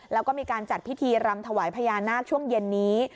แล้วก็มีการจัดพิธีรำถวายพญานาคช่วงเย็นนี้